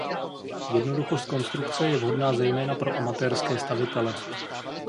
Jednoduchost konstrukce je vhodná zejména pro amatérské stavitele.